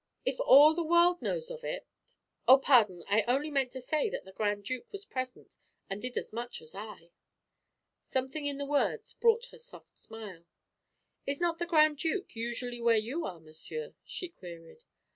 "If all the world knows of it " "Oh, pardon; I only meant to say that the Grand Duke was present and did as much as I." Something in the words brought her soft smile. "Is not the Grand Duke usually where you are, monsieur?" she queried.